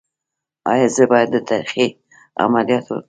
ایا زه باید د تریخي عملیات وکړم؟